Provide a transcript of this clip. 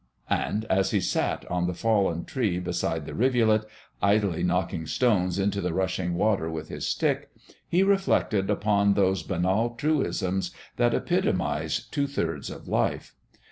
And as he sat on the fallen tree beside the rivulet, idly knocking stones into the rushing water with his stick, he reflected upon those banal truisms that epitomise two thirds of life.